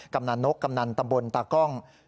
กำนันนกกำนันตำบลตากล้อง